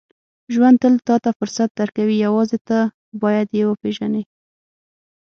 • ژوند تل ته فرصت درکوي، یوازې ته باید یې وپېژنې.